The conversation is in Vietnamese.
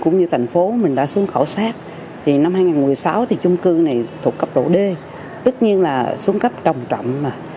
năm hai nghìn một mươi sáu chung cư này thuộc cấp độ d tất nhiên là xuống cấp trọng trọng